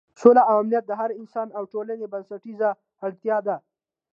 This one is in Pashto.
سوله او امنیت د هر انسان او ټولنې بنسټیزه اړتیا ده.